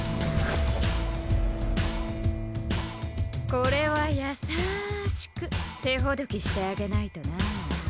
これは優しく手ほどきしてあげないとなぁ。